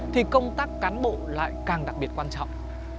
thì công tác cán bộ lại càng đặc biệt quan trọng